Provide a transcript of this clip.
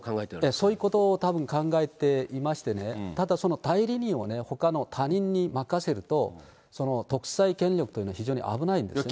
そういうことをたぶん考えていましてね、ただその、代理人を、ほかの他人に任せると、その独裁権力というのは非常に危ないんですね。